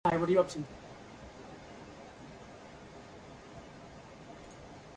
It is currently drydocked in a private part of the island.